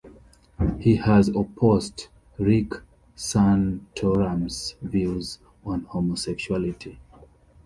He has opposed Rick Santorum's views on homosexuality.